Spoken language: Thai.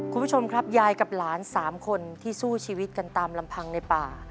คุณผู้ชมครับยายกับหลาน๓คนที่สู้ชีวิตกันตามลำพังในป่า